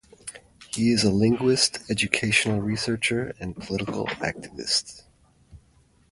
He is a linguist, educational researcher, and political activist.